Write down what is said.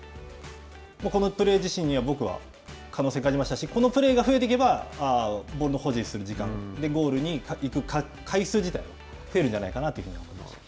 このプレー自身には僕は、可能性を感じましたし、このプレーが増えていけば、ボールの保持する時間ゴールに行く回数自体が増えるんじゃないかなと思いました。